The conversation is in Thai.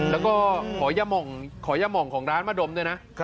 แล้วก็ขอย่าห่องของร้านมาดมด้วยนะ